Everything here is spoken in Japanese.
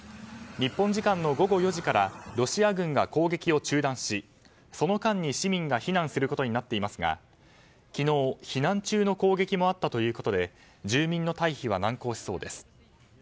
日本時間の午後４時からロシア軍が攻撃を中断しその間に市民が避難することになっていますが昨日、避難中の攻撃もあったということで住民の退避は難航しそうです。